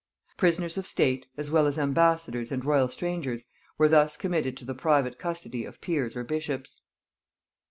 Prisoners of state, as well as ambassadors and royal strangers, were thus committed to the private custody of peers or bishops.